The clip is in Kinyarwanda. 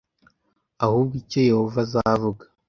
ahubwo icyo Yehova azavuga